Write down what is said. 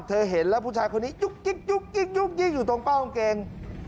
เธอเห็นแล้วผู้ชายคนนี้ยุกยิกยุกยิกอยู่ตรงเป้าอ้างเกง